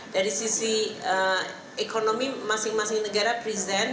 dari sisi ekonomi masing masing negara present